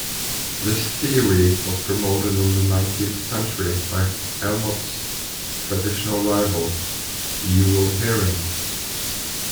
This theory was promoted in the nineteenth century by Helmholtz's traditional rival, Ewald Hering.